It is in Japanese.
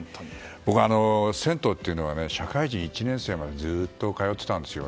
銭湯っていうのは社会人１年生までずっと通っていたんですよ。